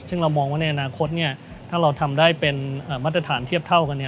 ซึ่งเรามองว่าในอนาคตถ้าเราทำได้เป็นมาตรฐานเทียบเท่ากัน